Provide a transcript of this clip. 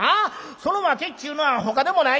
その訳っちゃうのはほかでもない。